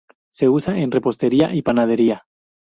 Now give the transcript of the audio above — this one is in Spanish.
Se usa en repostería y panadería.